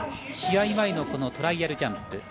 試合前のトライアルジャンプ。